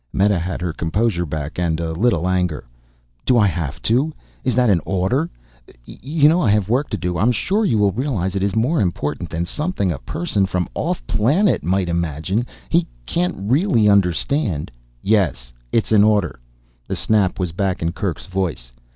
Meta had her composure back. And a little anger. "Do I have to? Is that an order? You know I have work to do. I'm sure you will realize it is more important than something a person from off planet might imagine. He can't really understand " "Yes. It's an order." The snap was back in Kerk's voice.